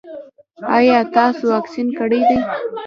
ایا تاسو واکسین کړی دی؟